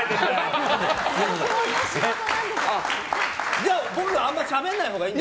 じゃあ僕あんまりしゃべんないほうがいいの？